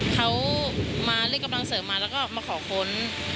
เขามาเรียกกำลังเสริมมาแล้วก็มาขอค้น